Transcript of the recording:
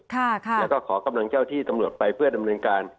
แล้วก็ขอกำลังเจ้าที่ตำรวจไปเพื่อดำเนินการ